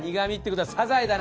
サザエだ。